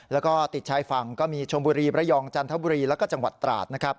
แล้วก็ติดชายฝั่งก็มีชมบุรีระยองจันทบุรีแล้วก็จังหวัดตราดนะครับ